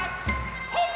ほっ！